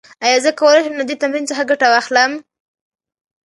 ایا زه کولی شم له دې تمرین څخه ګټه واخلم؟